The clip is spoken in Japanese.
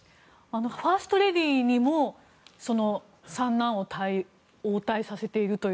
ファーストレディーにも三男を応対させているという。